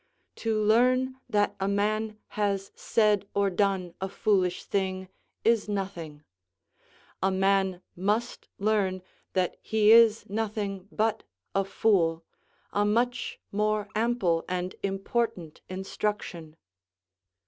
To learn that a man has said or done a foolish thing is nothing: a man must learn that he is nothing but a fool, a much more ample, and important instruction.